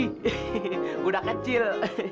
hehehe udah kecil